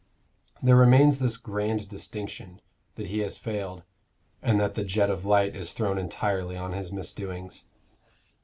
There remains this grand distinction, that he has failed, and that the jet of light is thrown entirely on his misdoings.